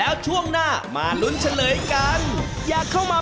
อันนี้ถูกสุด